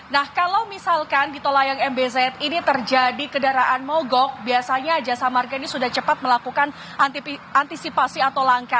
nah kalau misalkan di tol layang mbz ini terjadi kedaraan mogok biasanya jasa marga ini sudah cepat melakukan antisipasi atau langkah